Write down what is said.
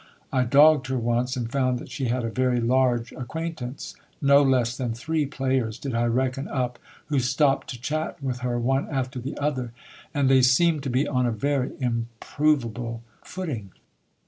I dogged her once, and found that she had a very large acquaintance. No less than three players did I reckon up, who stopped to chat with her one after the other, and they seemed to be on a very improv able footing.